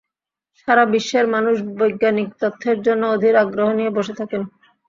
সারা বিশ্বের মানুষ বৈজ্ঞানিক তথ্যের জন্য অধীর আগ্রহ নিয়ে বসে থাকেন।